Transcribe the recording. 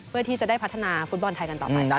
เพื่อที่จะได้พัฒนาฟุตบอลไทยกันต่อไป